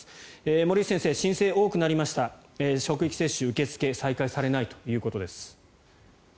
森内先生、申請が多くなりました職域接種受け付け再開されないということです。